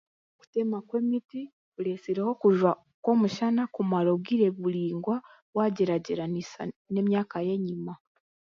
Kutema kw'emiti kuretsireho okujwa kw'omushana kumara obwire buraingwa waagyeragyeranisa n'emyaka y'enyima